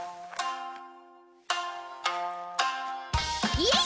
イエイ！